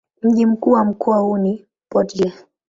Mji mkuu wa mkoa huu ni Port-Gentil.